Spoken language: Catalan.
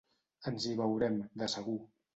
Ens hi veurem, de segur.